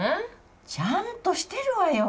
ちゃんとしてるわよ。